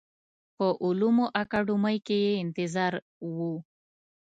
په علومو اکاډمۍ کې یې انتظار و.